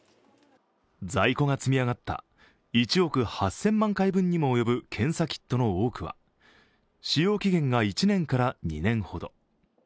在庫が積み上がった１億８０００万回分にもおよぶ検査キットの多くは使用期限が１年から２年ほど。